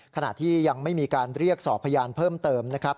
ขณะที่ยังไม่มีการเรียกสอบพยานเพิ่มเติมนะครับ